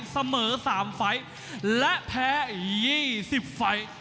เสมอ๓ไฟล์และแพ้๒๐ไฟล์